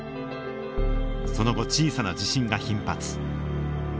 その後小さな地震が頻発。